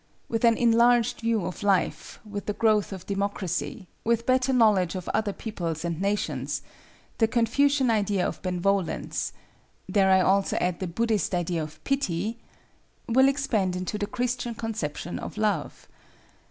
With an enlarged view of life, with the growth of democracy, with better knowledge of other peoples and nations, the Confucian idea of Benevolence—dare I also add the Buddhist idea of Pity?—will expand into the Christian conception of Love.